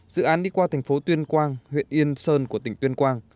dự án đi qua thành phố tuyên quang huyện yên sơn của tỉnh tuyên quang